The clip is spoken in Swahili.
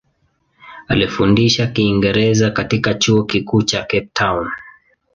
Alifundisha Kiingereza katika Chuo Kikuu cha Cape Town.